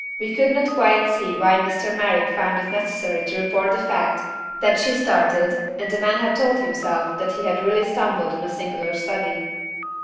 we could not quite see why Mr. Merrick found it necessary to report the fact that: "She started, and the man told himself that he had really stumbled on a singular study.